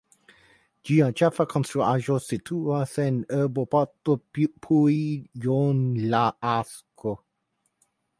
Ĝia ĉefa konstruaĵo situas en urboparto Puijonlaakso.